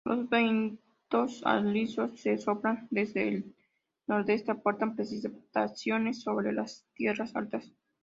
Los vientos alisios que soplan desde el nordeste aportan precipitaciones sobre las tierras altas.